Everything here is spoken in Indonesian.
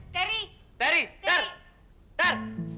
teri teri ter ter